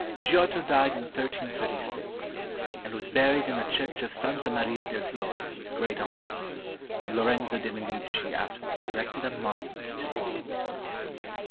Giotto died in 1336, and was buried in the Church of Santa Maria del Fiore with great honors, and Lorenzo de' Medici afterward erected a monument to him.